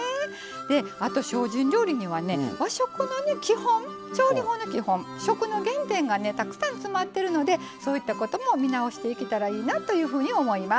あと精進料理には和食の調理法の基本、食の原点がたくさん詰まっているのでそういったことも見直していけたらいいなというふうに思います。